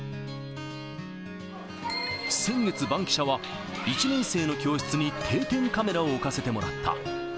先月、バンキシャは１年生の教室に定点カメラを置かせてもらった。